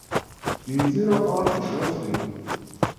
دیزی را بار گذاشتی؟